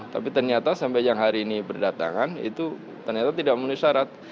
tapi ternyata sampai yang hari ini berdatangan itu ternyata tidak memenuhi syarat